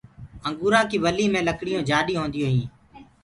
انگوُرآنٚ ڪيٚ ولي مي لڪڙيو جآڏيونٚ هونديونٚ هينٚ۔